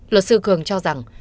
luật sư cường cho rằng